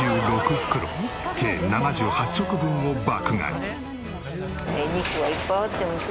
袋計７８食分を爆買い。